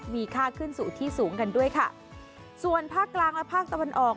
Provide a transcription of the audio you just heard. มีค่าขึ้นสู่ที่สูงกันด้วยค่ะส่วนภาคกลางและภาคตะวันออก